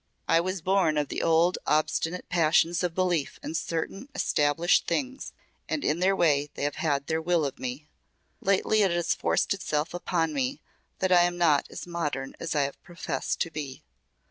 I was born of the old obstinate passions of belief in certain established things and in their way they have had their will of me. Lately it has forced itself upon me that I am not as modern as I have professed to be.